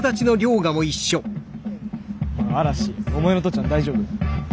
嵐お前の父ちゃん大丈夫？